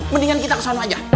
mendingan kita kesana aja